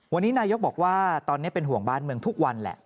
วันนี้นายกบอกว่าตอนนี้เป็นห่วงบ้านเมืองทุกวันแหละ